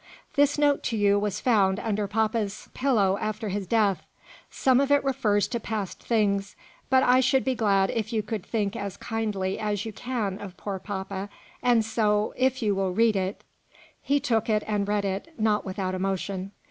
"This note to you was found under papa's pillow after his death; some of it refers to past things; but I should be glad if you could think as kindly as you can of poor papa and so if you will read it " He took it and read it, not without emotion.